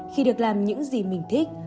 khi được làm những gì mình thích